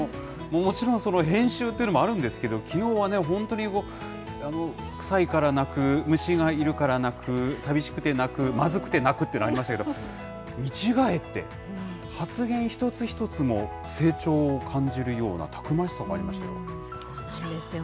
もちろん編集というのもあるんですけど、きのうはね、本当に臭いから泣く、虫がいるから泣く、寂しくて泣く、まずくて泣くっていうのがありましたけど、見違えて、発言一つ一つも成長を感じるようなたくましさがありましたよ。